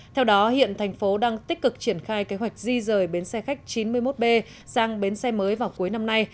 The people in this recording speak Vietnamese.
theo đó hiện thành phố đang tích cực triển khai kế hoạch di rời bến xe khách chín mươi một b sang bến xe mới vào cuối năm nay